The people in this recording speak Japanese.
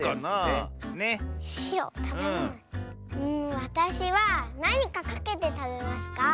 わたしはなにかかけてたべますか？